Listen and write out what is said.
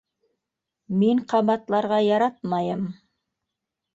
Мин ҡабатларға яратмайым!